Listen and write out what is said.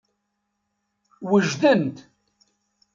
Wejdent.